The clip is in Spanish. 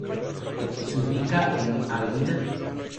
Se ubicada en Av.